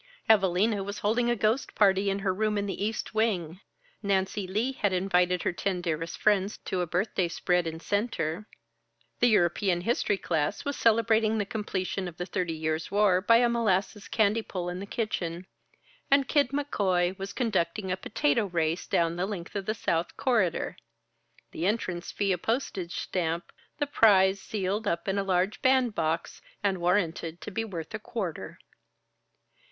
Evalina was holding a ghost party in her room in the East Wing; Nancy Lee had invited her ten dearest friends to a birthday spread in Center; the European History class was celebrating the completion of the Thirty Years War by a molasses candy pull in the kitchen; and Kid McCoy was conducting a potato race down the length of the South Corridor the entrance fee a postage stamp, the prize sealed up in a large bandbox and warranted to be worth a quarter.